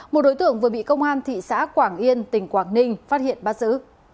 một đối tượng vừa bị công an thị xã quảng yên tỉnh quảng ninh phát hiện bắt giữ